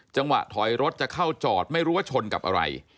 จังหวะถอยรถจะเข้าจอดไม่รู้ว่าชนกับอะไร